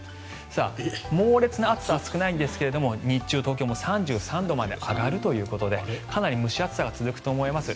猛烈な暑さは少ないんですが日中、東京も３３度まで上がるということでかなり蒸し暑さが続くと思います。